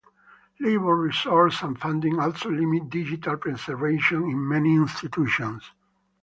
Labour resources and funding also limit digital preservation in many institutions.